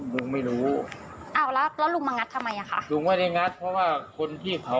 อยู่ดีมางัดกันแบบนี้ได้ด้วยเหรอคะไปดูคลิปกันหน่อยนะคะ